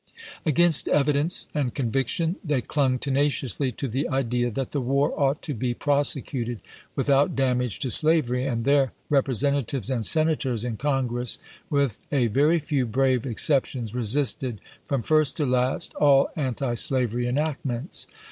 Against evidence and conviction, they clung tenaciously to the idea that the war ought to be prosecuted without damage to slavery; and their Representatives and Senators in Congress, with a very few brave exceptions, resisted from first to last all antislavery enactments.